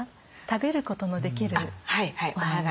食べることのできるお花。